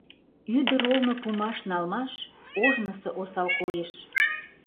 Ӱдыр олно пуымаш-налмаш — ожнысо осал койыш.